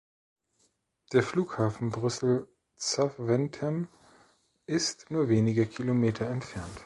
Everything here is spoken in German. Der Flughafen Brüssel-Zaventem ist nur wenige Kilometer entfernt.